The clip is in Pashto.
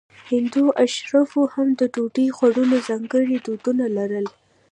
هندو اشرافو هم د ډوډۍ خوړلو ځانګړي دودونه لرل.